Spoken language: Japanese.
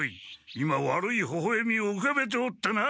今悪いほほえみをうかべておったな？